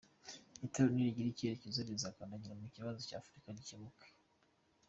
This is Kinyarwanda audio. “Itorero nirigira icyerekezo rizakandagira mu bibazo bya Afurika bikemuke.”